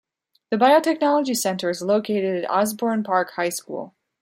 The Biotechnology Center is located at Osbourn Park High School.